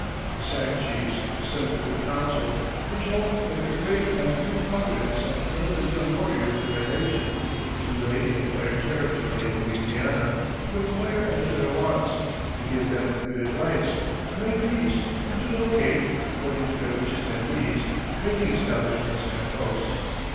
The Sac chiefs, assembled in council, were told that their great and new father had sent one of his young warriors to their nation, in the lately acquired territory of Louisiana, to inquire as to their wants, to give them good advice, to make peace, and to locate, according to their wishes and needs, trading establishments and posts.